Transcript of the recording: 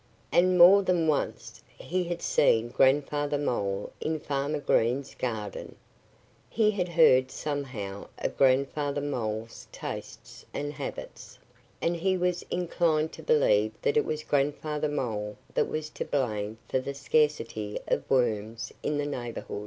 And more than once he had seen Grandfather Mole in Farmer Green's garden. He had heard somehow of Grandfather Mole's tastes and habits. And he was inclined to believe that it was Grandfather Mole that was to blame for the scarcity of worms in the neighborhood.